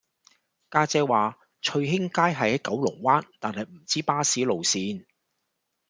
家姐話翠興街係喺九龍灣但係唔知巴士路線